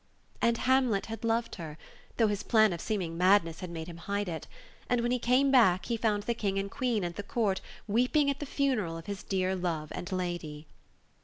And Hamlet had loved her, though his plan of seeming madness had made him hide it ; and when he came back, he found the King and Queen, and the Court, weeping at the funeral of his dear love and lady.